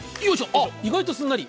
あっ、意外とすんなり。